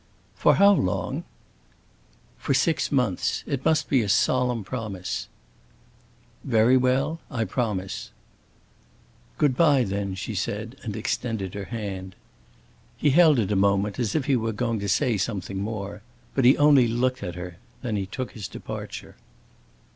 "For how long?" "For six months. It must be a solemn promise." "Very well, I promise." "Good bye, then," she said, and extended her hand. He held it a moment, as if he were going to say something more. But he only looked at her; then he took his departure.